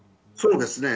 そうです。